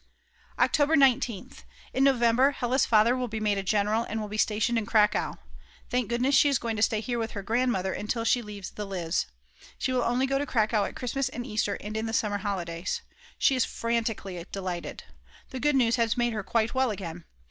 October 19th. In November, Hella's father will be made a general and will be stationed in Cracow. Thank goodness she is going to stay here with her grandmother until she leaves the Lyz. She will only go to Cracow at Christmas and Easter and in the summer holidays. She is frantically delighted. The good news has made her quite well again.